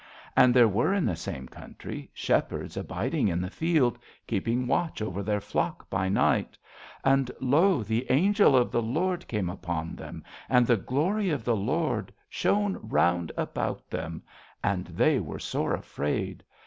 And there were in the same country shepherds abiding in the field, keeping watch over their flock by night, And lo, the angel of the Lord came upon them, and the glory of the Lord shone round about them, and they were sore afraid.